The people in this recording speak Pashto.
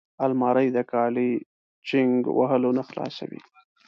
الماري د کالي چینګ وهلو نه خلاصوي